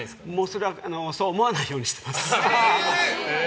それはそう思わないようにしてます。